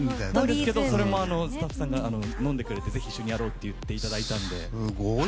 でも、それもスタッフさんがのんでくれてぜひ一緒にやろうと言っていただいたので。